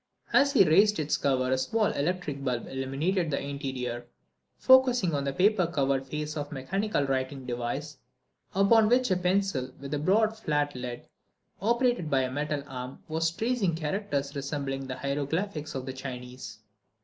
As he raised its cover a small electric bulb illuminated the interior, focussing on the paper covered face of a mechanical writing device, upon which a pencil with a broad flat lead operated by a metal arm was tracing characters resembling the hieroglyphics of the Chinese.